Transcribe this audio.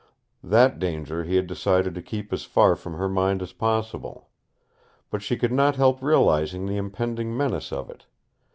That danger he had decided to keep as far from her mind as possible. But she could not help realizing the impending menace of it.